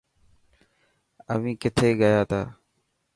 اوهين کٿي گسياتا؟